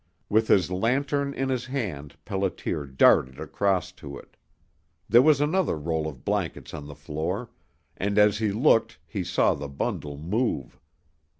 With his lantern in his hand Pelliter darted across to it. There was another roll of blankets on the floor, and as he looked he saw the bundle move.